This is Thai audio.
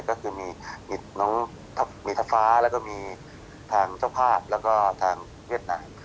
ก็คือมีน้องมีทัพฟ้าแล้วก็มีทางเจ้าภาพแล้วก็ทางเวียดนาม